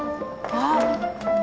あっ。